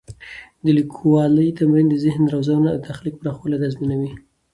د لیکوالي تمرین د ذهن روزنه او د تخلیق پراخوالی تضمینوي.